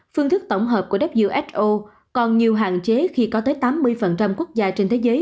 phương thức tổng hợp của who còn nhiều hạn chế khi có tới tám mươi quốc gia trên thế giới